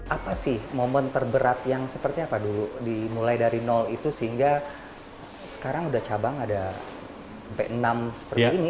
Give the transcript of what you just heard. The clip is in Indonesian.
apa sih momen terberat yang seperti apa dulu dimulai dari nol itu sehingga sekarang udah cabang ada sampai enam seperti ini